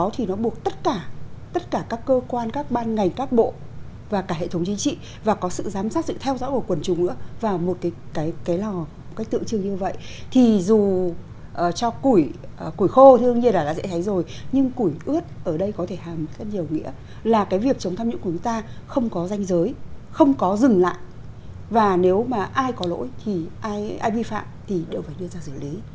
thì dù cho củi khô thương nhiên là dễ thấy rồi nhưng củi ướt ở đây có thể hàm rất nhiều nghĩa là cái việc chống tham nhũng của người ta không có danh giới không có dừng lại và nếu mà ai có lỗi thì ai vi phạm thì đều phải đưa ra giải lý